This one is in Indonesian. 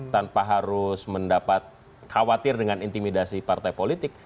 tanpa harus mendapat khawatir dengan intimidasi partai politik